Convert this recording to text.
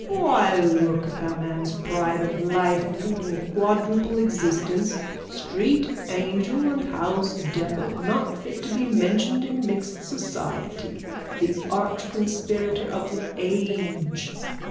_ Why, look at the man's private life! Leading a quadruple existence! Street angel and house devil. Not fit to be mentioned in mixed society! The archconspirator of the age!